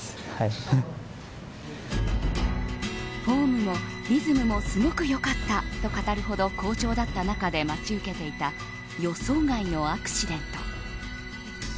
フォームもリズムもすごくよかった、と語るほど好調だった中で待ち受けていた予想外のアクシデント。